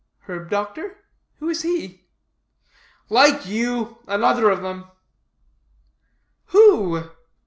"Herb doctor? who is he?" "Like you another of them." "_Who?